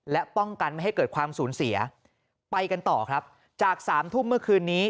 และป้องกันไม่ให้เกิดความสูญเสียไปกันต่อครับจากสามทุ่มเมื่อคืนนี้